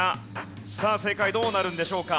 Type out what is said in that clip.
さあ正解どうなるんでしょうか？